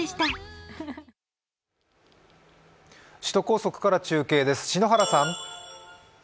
首都高速から中継です。